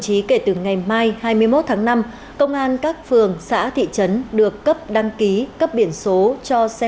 trí kể từ ngày mai hai mươi một tháng năm công an các phường xã thị trấn được cấp đăng ký cấp biển số cho xe